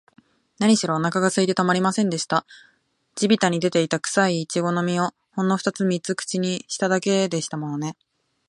なにしろ、おなかがすいてたまりませんでした。地びたに出ていた、くさいちごの実を、ほんのふたつ三つ口にしただけでしたものね。